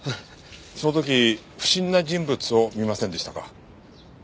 その時不審な人物を見ませんでしたか？